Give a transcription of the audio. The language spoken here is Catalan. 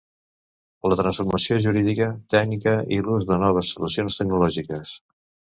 La transformació jurídica, tècnica i l'ús de noves solucions tecnològiques.